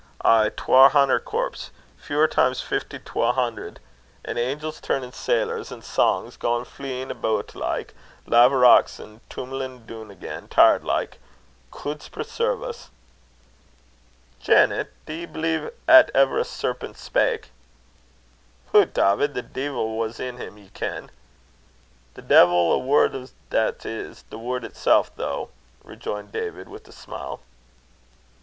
ay, twa hunner corps fower times fifty's twa hunner an' angels turnin' sailors, an' sangs gaein fleein' aboot like laverocks, and tummelin' doon again, tired like? Gude preserve's a'!" "Janet, do ye believe 'at ever a serpent spak?" "Hoot! Dawvid, the deil was in him, ye ken." "The deil a word o' that's i' the word itsel, though," rejoined David with a smile.